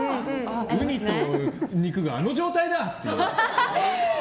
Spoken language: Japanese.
ウニと肉があの状態だ！